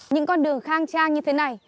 những con đường khang trang như thế này